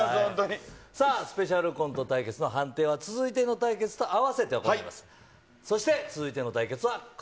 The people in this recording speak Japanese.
さあ、スペシャルコント対決の判定は、続いての対決と合わせて行います。